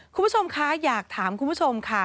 คุณผู้ชมคะอยากถามคุณผู้ชมค่ะ